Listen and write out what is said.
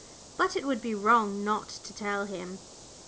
But it would be wrong not to tell him."